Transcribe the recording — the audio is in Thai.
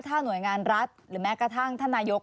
ถ้าหน่วยงานรัฐหรือแม้กระทั่งท่านนายก